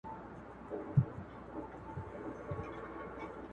انسان خپل هويت په شعوري ډول